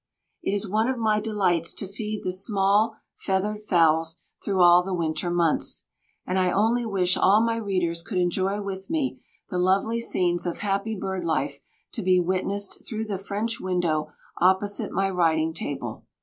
It is one of my delights to feed the small "feathered fowls" through all the winter months, and I only wish all my readers could enjoy with me the lovely scenes of happy bird life to be witnessed through the French window opposite my writing table.